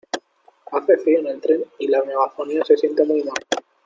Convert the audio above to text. Hace frío en el tren y la megafonía se siente muy mal.